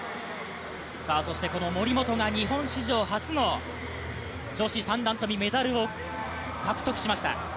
そしてこの森本が日本史上初の女子三段跳びメダルを獲得しました。